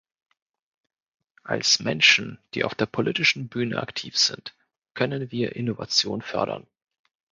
Als Menschen, die auf der politischen Bühne aktiv sind, können wir Innovation fördern.